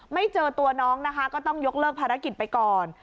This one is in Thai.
ไม่เจอตัวน้องนะคะก็ต้องยกเลิกภารกิจไปก่อน